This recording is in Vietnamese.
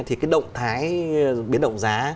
thì cái động thái biến động giá